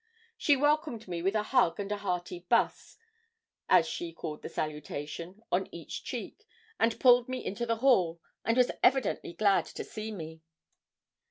She welcomed me with a hug and a hearty buss, as she called that salutation, on each cheek, and pulled me into the hall, and was evidently glad to see me.